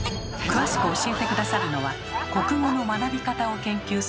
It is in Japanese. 詳しく教えて下さるのは国語の学び方を研究する